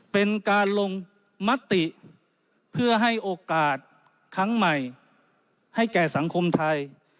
เป็นการลงมติเพื่อให้โอกาสครั้งใหม่ให้แก่สังคมไทย